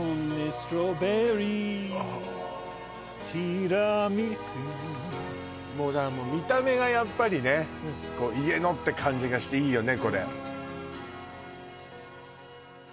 ティラミスもうだからもう見た目がやっぱりね家のって感じがしていいよね